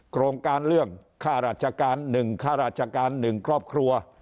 โครงการเรื่องข้าราชการหนึ่งข้าราชการหนึ่งครอบครัว